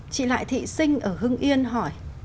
chị lại thị sinh ở hưng yên hỏi